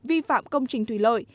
vi phạm công trình thủy lợi